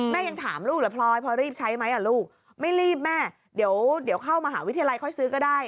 ยังถามลูกเหรอพลอยพอรีบใช้ไหมอ่ะลูกไม่รีบแม่เดี๋ยวเข้ามหาวิทยาลัยค่อยซื้อก็ได้